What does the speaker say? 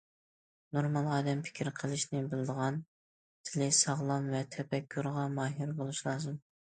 نورمال ئادەم پىكىر قىلىشنى بىلىدىغان، تىلى ساغلام ۋە تەپەككۇرغا ماھىر بولۇشى لازىم.